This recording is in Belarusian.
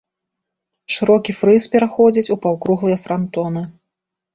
Шырокі фрыз пераходзіць у паўкруглыя франтоны.